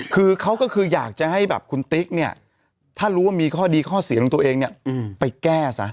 คือเขาก็คืออยากจะให้แบบคุณติ๊กเนี่ยถ้ารู้ว่ามีข้อดีข้อเสียของตัวเองเนี่ยไปแก้ซะ